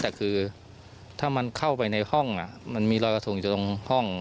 แต่คือถ้ามันเข้าไปในห้องมันมีรอยกระสุนอยู่ตรงห้อง